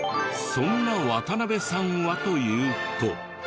そんな渡邉さんはというと。